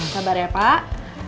sabar ya pak